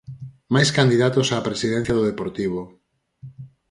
Máis candidatos á presidencia do Deportivo.